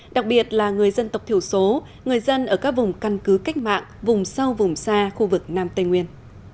đặc biệt là người dân tộc thiểu số người dân ở các vùng căn cứ cách mạng vùng sâu vùng xa khu vực nam tây nguyên